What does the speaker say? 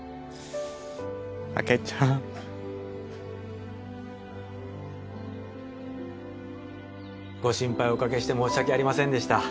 竹ちゃん。ご心配お掛けして申し訳ありませんでした。